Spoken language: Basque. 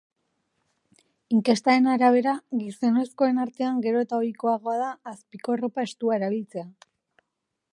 Inkestaren arabera, gizonezkoen artean gero eta ohikoagoa da azpiko arropa estua erabiltzea.